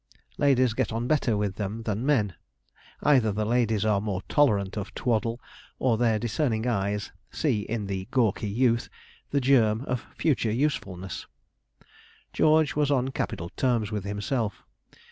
Ladies get on better with them than men: either the ladies are more tolerant of twaddle, or their discerning eyes see in the gawky youth the germ of future usefulness. George was on capital terms with himself.